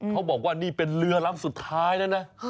เขาบอกว่านี่เป็นเรือลำสุดท้ายแล้วนะ